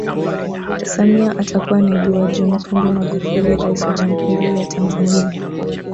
Samia atakuwa naibu wa John Pombe Magufuli rais wa Jamhuri ya Tanzania